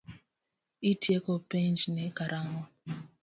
Itieko penjni karang'o?